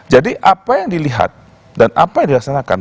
jadi apa yang dilihat dan apa yang dilaksanakan